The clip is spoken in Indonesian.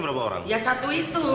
berapa orang itu